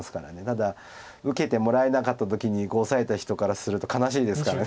ただ受けてもらえなかった時にオサえた人からすると悲しいですから。